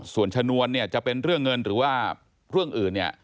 ส่วนชนวนเนี่ยจะเป็นเรื่องเงินหรือว่าเรื่องอื่นเนี่ย